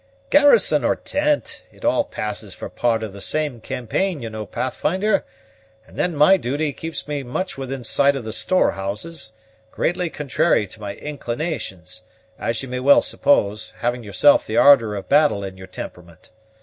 "Garrison or tent, it all passes for part of the same campaign, you know, Pathfinder; and then my duty keeps me much within sight of the storehouses, greatly contrary to my inclinations, as ye may well suppose, having yourself the ardor of battle in your temperament.